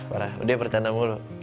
warah dia bercanda mulu